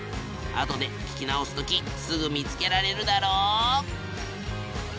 あとで聞き直すときすぐ見つけられるだろ？